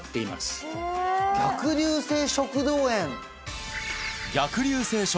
逆流性